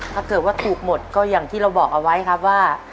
ถ้าเกิดว่าถูกหมดก็อย่างที่เราบอกเอาไว้ครับว่า